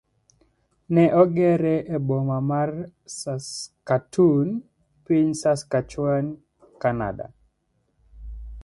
It was located at Saskatoon, Saskatchewan, Canada.